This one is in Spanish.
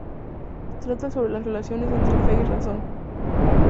Trata sobre las relaciones entre fe y razón.